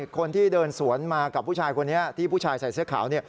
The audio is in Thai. คนที่เดินสวนมากับผู้ชายคนนี้ที่ผู้ชายใส่เสื้อขาวเนี่ย